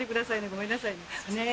ごめんなさいねねぇ